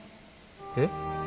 えっ？